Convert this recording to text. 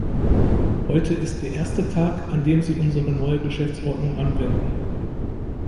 Heute ist der erste Tag, an dem Sie unsere neue Geschäftsordnung anwenden.